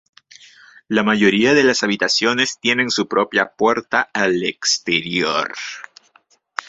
La mayoría de las habitaciones tienen su propia puerta al exterior.